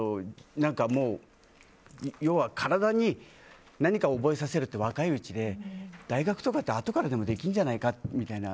要は体に何かを覚えさせるって若いうちで大学とかってあとからでもできるんじゃないかみたいな。